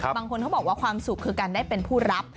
บางคนเขาบอกว่าความสุขคือการได้เป็นผู้รับ